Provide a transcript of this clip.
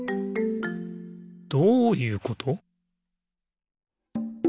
どういうこと？